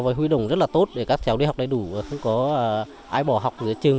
và huy động rất là tốt để các cháu đi học đầy đủ không có ai bỏ học giữa trường